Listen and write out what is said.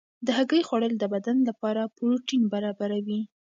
د هګۍ خوړل د بدن لپاره پروټین برابروي.